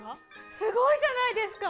すごいじゃないですか。